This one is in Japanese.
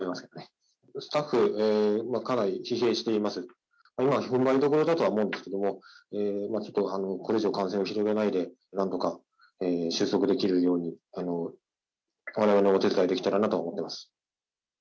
今、ふんばりどころだとは思うんですけれども、ちょっとこれ以上感染を広げないで、なんとか収束できるように、われわれもお手伝いできたらなと思ってます。